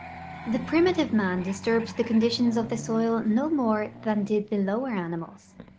d'he primitive man disturbed the conditions of the soil no more than did the lower animals.